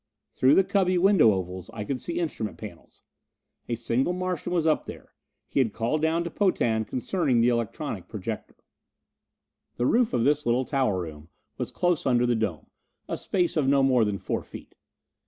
Through the cubby window ovals I could see instrument panels. A single Martian was up there; he had called down to Potan concerning the electronic projector. The roof of this little tower room was close under the dome a space of no more than four feet.